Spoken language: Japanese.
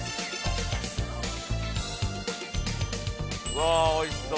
わぁおいしそう。